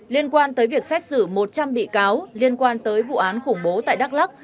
liên quan tới việc xét xử một trăm linh bị cáo liên quan tới vụ án khủng bố tại đắk lắc